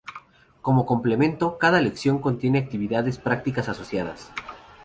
Como complemento, cada lección contiene actividades prácticas asociadas.